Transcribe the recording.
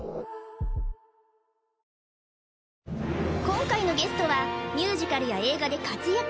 今回のゲストはミュージカルや映画で活躍